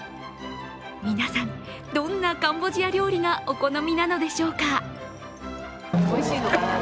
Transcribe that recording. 皆さん、どんなカンボジア料理がお好みなのでしょうか。